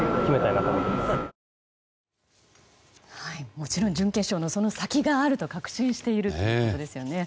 もちろん準決勝のその先があると確信しているということですよね。